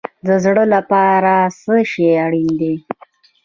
د زړه لپاره څه شی اړین دی؟